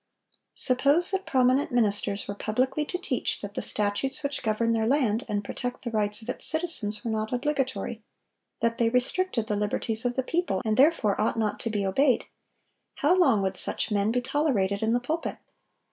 Suppose that prominent ministers were publicly to teach that the statutes which govern their land and protect the rights of its citizens were not obligatory,—that they restricted the liberties of the people, and therefore ought not to be obeyed; how long would such men be tolerated in the pulpit?